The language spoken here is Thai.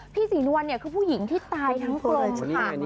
พี่ศรีนวลเนี่ยคือผู้หญิงที่ตายทั้งกลมค่ะ